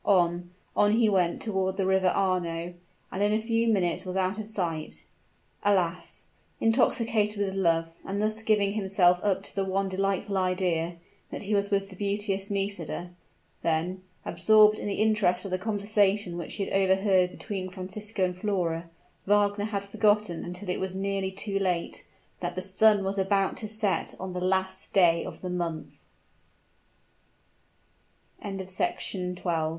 On on he went toward the River Arno; and in a few minutes was out of sight. Alas! intoxicated with love, and giving himself up to the one delightful idea that he was with the beauteous Nisida then, absorbed in the interest of the conversation which he had overheard between Francisco and Flora Wagner had forgotten until it was nearly too late, that the sun was about to set on the last day of the month. CHAPTER XII. THE W